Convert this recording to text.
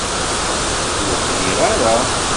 Ur bniɣ ara.